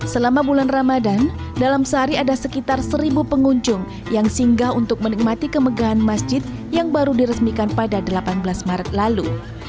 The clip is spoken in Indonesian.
selama bulan ramadan dalam sehari ada sekitar seribu pengunjung yang singgah untuk menikmati kemegahan masjid yang baru diresmikan pada delapan belas maret lalu